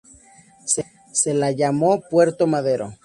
Se la llamó Puerto Madero.